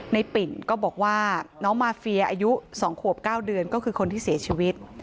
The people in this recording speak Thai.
ปิ่นก็บอกว่าน้องมาเฟียอายุ๒ขวบ๙เดือนก็คือคนที่เสียชีวิต